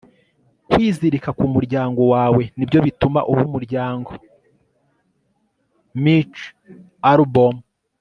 kwizirika ku muryango wawe nibyo bituma uba umuryango. - mitch albom